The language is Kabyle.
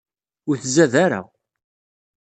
Ur tzad ara.